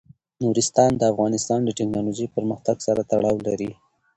نورستان د افغانستان د تکنالوژۍ پرمختګ سره تړاو لري.